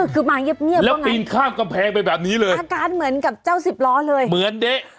คือมาเงียบเลยแล้วปีนข้ามกำแพงไปแบบนี้เลยอาการเหมือนกับเจ้าสิบล้อเลยเหมือนเด๊ะ